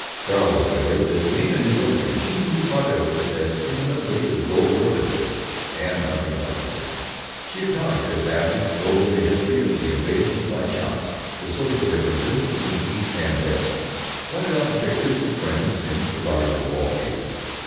Carl discovered that, being a New Yorker, she knew part of it as intimately as though it were a village, and nothing about the rest. She had taught him Fifth Avenue; told him the history of the invasion by shops, the social differences between East and West; pointed out the pictures of friends in photographers' wall cases.